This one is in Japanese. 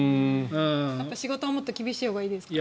仕事はもっと厳しいほうがいいですか？